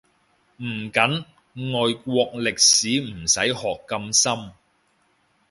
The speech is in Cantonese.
唔緊，外國歷史唔使學咁深